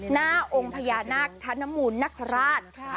หน้าองค์พญานาคธนมูลนคราช